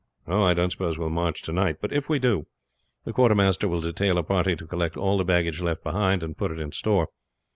"Oh, I don't suppose we shall march to night. But if we do, the quartermaster will detail a party to collect all the baggage left behind and put it in store.